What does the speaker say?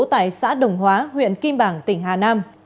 tại xã đồng hóa huyện kim bảng tỉnh hà nam